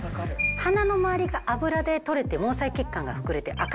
鼻の周りが脂で取れて毛細血管が膨れて赤くなってくる。